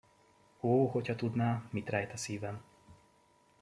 Ó, hogyha tudná, mit rejt a szivem!